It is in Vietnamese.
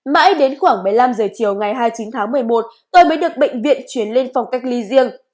mãi đến khoảng một mươi năm h chiều ngày hai mươi chín tháng một mươi một tôi mới được bệnh viện chuyển lên phòng cách ly riêng